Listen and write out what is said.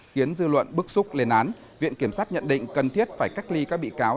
khiến dư luận bức xúc lên án viện kiểm sát nhận định cần thiết phải cách ly các bị cáo